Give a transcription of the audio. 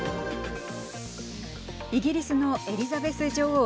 イギリスのエリザベス女王